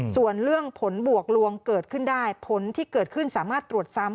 ส่วนเรื่องผลบวกลวงเกิดขึ้นได้ผลที่เกิดขึ้นสามารถตรวจซ้ำ